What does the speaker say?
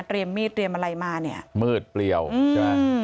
มีดเตรียมอะไรมาเนี่ยมืดเปลี่ยวใช่ไหม